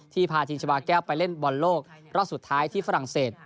พาทีมชาวาแก้วไปเล่นบอลโลกรอบสุดท้ายที่ฝรั่งเศส